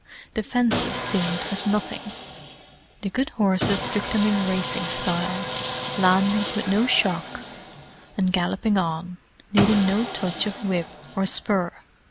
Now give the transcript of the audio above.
The fences seemed as nothing; the good horses took them in racing style, landing with no shock, and galloping on, needing no touch of whip or spur.